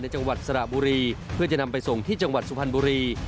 จังหวัดสระบุรีเพื่อจะนำไปส่งที่จังหวัดสุพรรณบุรี